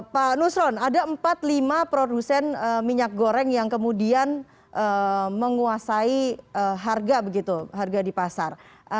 pak nusron ada empat lima produsen minyak goreng yang kemudian menguasai harga begitu harga di pasar